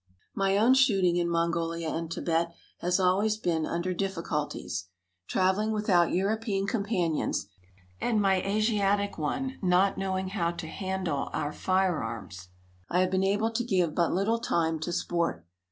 My own shooting in Mongolia and Tibet has always been under difficulties. Traveling without European companions, and my Asiatic one not knowing how to handle our firearms, I have been able to give but little time to sport.